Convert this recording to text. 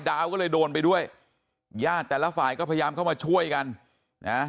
ดาวก็เลยโดนไปด้วยญาติแต่ละฝ่ายก็พยายามเข้ามาช่วยกันนะ